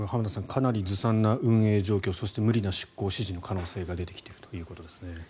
かなりずさんな運営状況そして無理な出航指示の可能性が出てきているということですね。